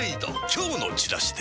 今日のチラシで